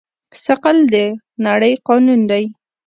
ثقل د نړۍ قانون دی.